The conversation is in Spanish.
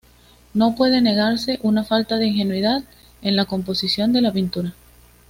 No puede negarse una falta de ingenuidad en la composición de la pintura.